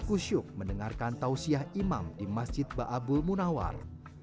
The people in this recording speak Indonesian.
usyuk mendengarkan tausiah imam di masjid ba'abul munawar